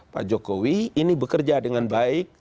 pak jokowi ini bekerja dengan baik